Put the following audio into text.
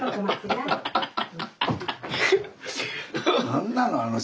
何なの？